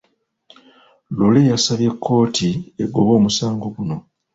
Lure yasabye kkooti egobe omusango guno.